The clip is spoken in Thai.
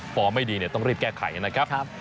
ฟอร์ไม่ดีเนี่ยต้องรีบแก้ไขนะครับ